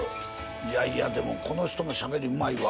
いやいやでもこの人もしゃべりうまいわ。